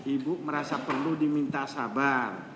ibu merasa perlu diminta sabar